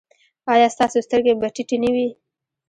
ایا ستاسو سترګې به ټیټې نه وي؟